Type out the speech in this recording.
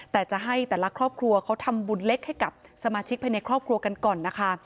แต่จะให้แต่ละครอบครัวเขาทำบุญเล็กให้กับสมาชิกภายในครอบครัวกันก่อนนะคะ